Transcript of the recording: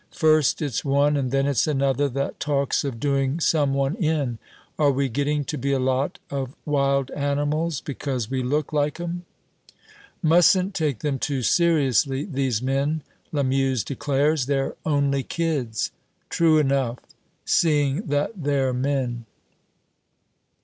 First it's one and then it's another that talks of doing some one in. Are we getting to be a lot of wild animals because we look like 'em?" "Mustn't take them too seriously, these men," Lamuse declares; "they're only kids." "True enough, seeing that they're men."